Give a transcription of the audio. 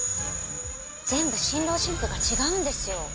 全部新郎新婦が違うんですよ。